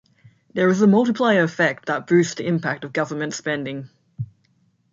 There is a multiplier effect that boosts the impact of government spending.